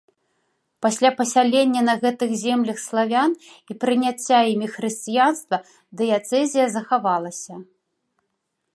Пасля пасялення на гэтых землях славян і прыняцця імі хрысціянства дыяцэзія захавалася.